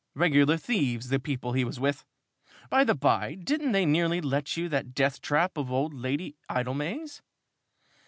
"Regular thieves, the people he was with. By the bye, didn't they nearly let you that death trap of old Lady Idlemay's?"